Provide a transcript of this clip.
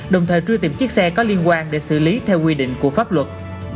đồng thời truy tìm chiếc xe có liên quan để xử lý theo quy định của pháp luật